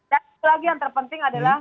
dan satu lagi yang terpenting adalah